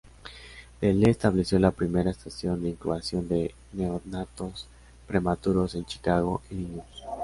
De Lee estableció la primera estación de incubación de neonatos prematuros en Chicago, Illinois.